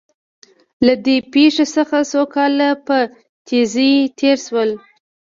له دې پېښې څخه څو کاله په تېزۍ تېر شول